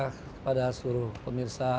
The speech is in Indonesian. kepada seluruh pemirsa